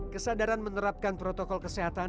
kesadaran menerapkan protokol kesehatan